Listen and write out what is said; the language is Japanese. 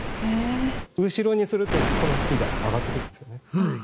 後ろにすると、このスキーが上がってくるんですよね。